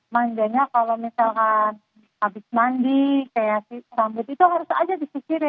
manjanya kalau misalkan habis mandi kayak rambut itu harus aja dipikirin